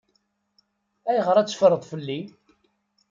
Ayɣeṛ ad teffreḍ fell-i?